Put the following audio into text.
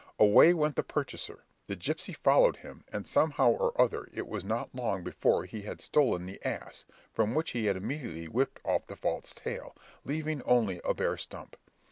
Away went the purchaser; the gipsy followed him, and some how or other, it was not long before he had stolen the ass, from which he immediately whipped off the false tail, leaving only a bare stump.